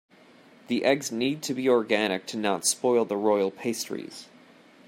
The eggs need to be organic to not spoil the royal pastries.